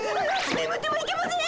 ねむってはいけません！